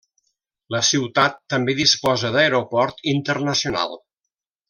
La ciutat també disposa d'aeroport internacional.